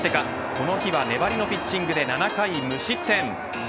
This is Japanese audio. この日は粘りのピッチングで７回無失点。